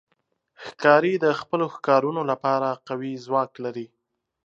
ښکاري د خپلو ښکارونو لپاره قوي ځواک لري.